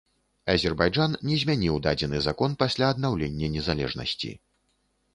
Азербайджан не змяніў дадзены закон пасля аднаўлення незалежнасці.